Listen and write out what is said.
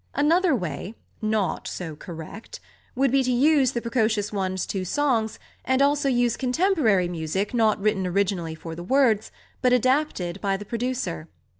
Another way, not so "correct," would be to use the precocious one's two songs, and also use contemporary music not written originally for the words, but adapted by the producer.